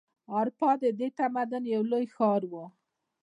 هراپا د دې تمدن یو لوی ښار و.